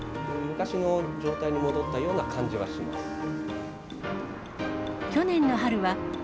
昔の状態に戻ったような感じはします。